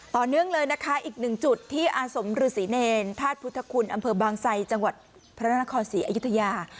ต่อเนื่องเลยนะคะอีกหนึ่งจุดที่อาสมฤษีเนรธาตุพุทธคุณอำเภอบางไซจังหวัดพระนครศรีอยุธยา